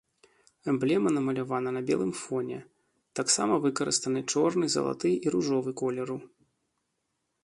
Эмблема намалявана на белым фоне, таксама выкарыстаны чорны, залаты і ружовы колеру.